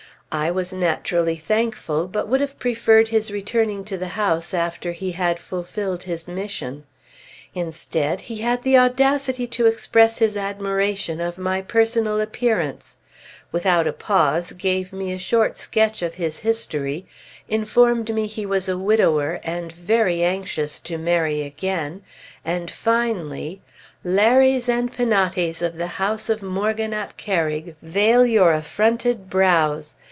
I was naturally thankful, but would have preferred his returning to the house after he had fulfilled his mission. Instead, he had the audacity to express his admiration of my personal appearance; without a pause gave me a short sketch of his history, informed me he was a widower, and very anxious to marry again, and finally, Lares and Penates of the house of Morgan ap Kerrig, veil your affronted brows!